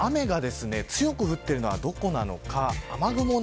今、雨が強く降っているのがどこなのか。